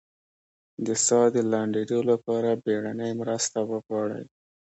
د ساه د لنډیدو لپاره بیړنۍ مرسته وغواړئ